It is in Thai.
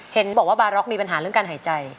เห็นบอกว่าบาร็อกมีปัญหาเรื่องการหายใจ